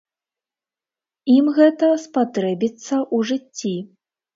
Ім гэта спатрэбіцца ў жыцці.